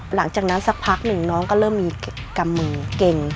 หลังจากนั้นสักพักหนึ่งน้องก็เริ่มมีกำมือเก่ง